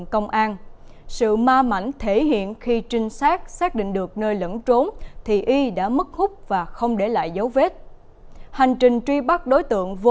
cảm ơn các bạn đã theo dõi